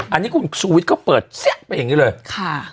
อันนี้คุณสุวิทย์ก็เปิดไปอย่างงี้เลยค่ะ